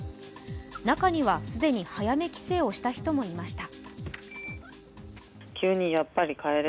中には既に早め帰省をした人もいました。